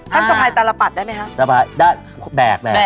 ท่านสะพายตลปัดได้ไหมคะ